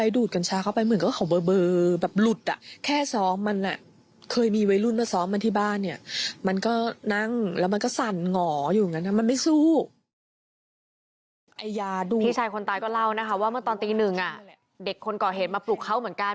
เด็กคนก่อเหตุมาปลูกเขาเหมือนกัน